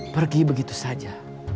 pergi begitu saja